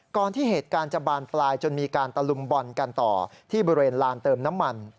ที่เหตุการณ์จะบานปลายจนมีการตะลุมบอลกันต่อที่บริเวณลานเติมน้ำมัน